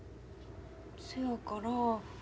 そやから。